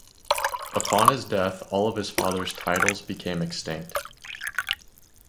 Upon his death, all of his father's titles became extinct.